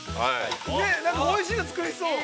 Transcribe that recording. ◆なんか、おいしいの作りそう。